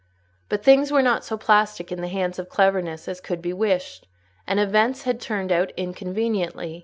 But things were not so plastic in the hands of cleverness as could be wished, and events had turned out inconveniently.